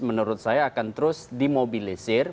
menurut saya akan terus dimobilisir